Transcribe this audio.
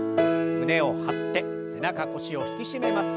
胸を張って背中腰を引き締めます。